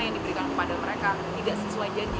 yang diberikan kepada mereka tidak sesuai jadi